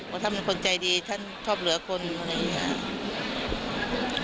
ว่าท่านเป็นคนใจดีท่านชอบเหลือคนอะไรอย่างนี้